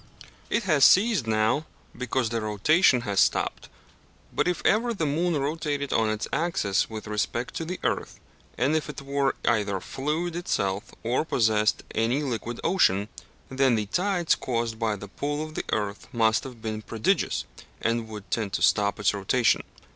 It has ceased now, because the rotation has stopped, but if ever the moon rotated on its axis with respect to the earth, and if it were either fluid itself or possessed any liquid ocean, then the tides caused by the pull of the earth must have been prodigious, and would tend to stop its rotation.